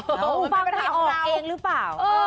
มันเป็นปัญหาของเราฟังไม่ออกเองหรือเปล่า